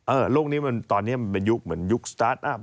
โลกนี้มันตอนนี้มันเป็นยุคเหมือนยุคสตาร์ทอัพ